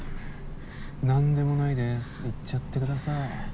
何でもないです行っちゃってください。